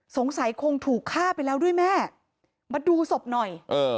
สงสัยคงถูกฆ่าไปแล้วด้วยแม่มาดูศพหน่อยเออ